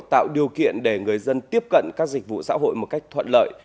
tạo điều kiện để người dân tiếp cận các dịch vụ xã hội một cách thuận lợi